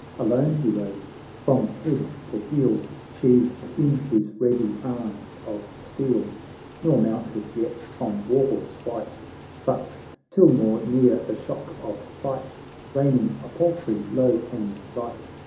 Alone he rode — from head to heel Sheathed in his ready arms of steel ; Nor mounted yet on war horse wight, But, till more near the shock of fight, Kerning a palfrey low and light.